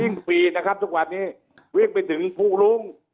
วิ่งปีฯนะครับวิ่งไปถึงภูรุง